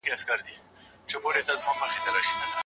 د آزادۍ تبلیغات د ملت د ارامولو لپاره دي.